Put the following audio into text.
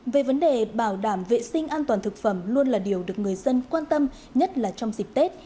về vấn đề bảo đảm vệ sinh an toàn thực phẩm luôn là điều được người dân quan tâm nhất là trong dịp tết